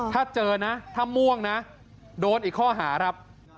ถ้าเจอนะถ้าม่วงนะโดนอีกข้อหาครับ